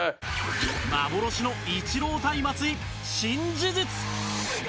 幻の、イチロー対松井新事実！